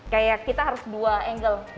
kayak kita harus dua angle